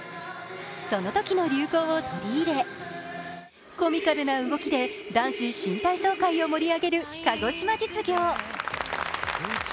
そのときの流行を取り入れコミカルな動きで男子新体操界を盛り上げる鹿児島実業。